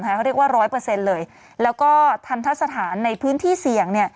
เขาเรียกว่า๑๐๐เลยแล้วก็ทันทัศน์สถานในพื้นที่เสี่ยง